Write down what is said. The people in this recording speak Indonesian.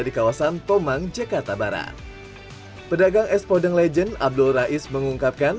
di kawasan tomang jakarta barat pedagang es podeng legend abdul rais mengungkapkan